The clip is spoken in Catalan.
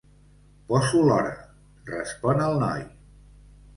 Poso l'hora —respon el noi.